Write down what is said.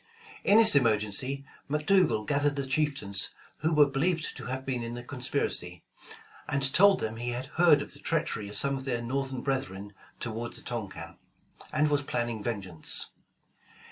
In this emer gency, McDougal gathered the chieftains who were be lieved to have been in the conspiracy, and told them he had heard of the treachery of some of their Northern brethren toward the Tonquin, and was planning ven geance.